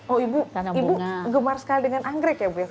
oh ibu gemar sekali dengan anggrek ya bu ya